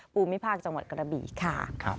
ปูมิพากษ์จังหวัดกระบีค่ะ